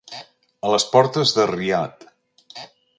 A les portes de Riad.